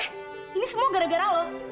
ini semua gara gara lo